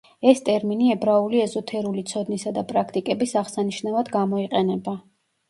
ეს ტერმინი ებრაული ეზოთერული ცოდნისა და პრაქტიკების აღსანიშნავად გამოიყენება.